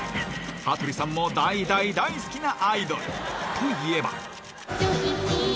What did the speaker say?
羽鳥さんも大大大好きなアイドルといえば。